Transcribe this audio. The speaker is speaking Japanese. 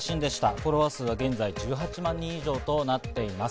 フォロワー数は現在１８万人以上となっています。